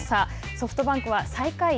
ソフトバンクは最下位